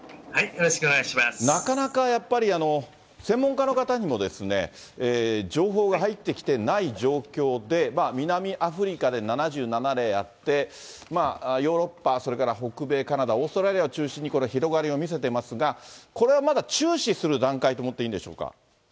なかなかやっぱり専門家の方にもですね、情報が入ってきてない状況で、南アフリカで７７例あって、ヨーロッパ、それから北米、カナダ、オーストラリアを中心にこれ、広がりを見せていますが、これはまだ注視する段階と思っていいんでしょうか。